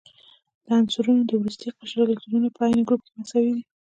د عنصرونو د وروستي قشر الکترونونه په عین ګروپ کې مساوي دي.